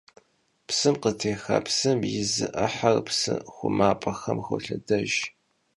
Ş'ım khıtêxa psım yi zı 'ıher psı xhumap'exem xolhedejj.